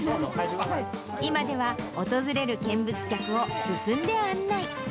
今では、訪れる見物客を進んで案内。